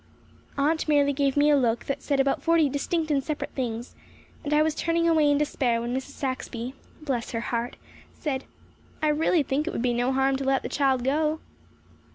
Aunt merely gave me a look that said about forty distinct and separate things, and I was turning away in despair when Mrs. Saxby bless her heart said: "I really think it would be no harm to let the child go."